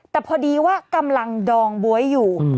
แต่พอดีว่ากำลังดองบ๊วยอยู่